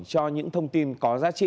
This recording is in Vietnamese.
cho những thông tin có giá trị